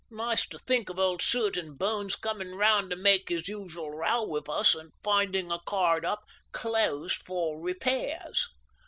"Nice to think of old Suet and Bones coming round to make his usual row with us, and finding a card up 'Closed for Repairs.'"